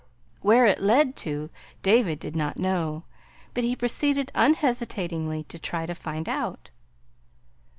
Where it led to, David did not know, but he proceeded unhesitatingly to try to find out.